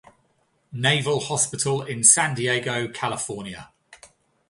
Naval Hospital in San Diego, California.